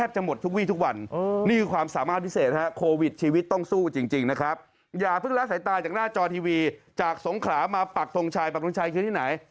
จากสงขรามาปักธงชายปักธงชายคือที่ไหน